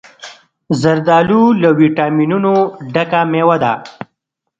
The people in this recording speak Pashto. زردالو له ویټامینونو ډکه مېوه ده.